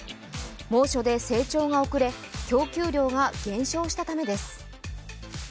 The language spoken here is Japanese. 猛暑で成長が遅れ供給量が減少したためです。